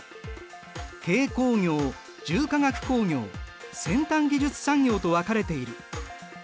軽工業重化学工業先端技術産業と分かれている。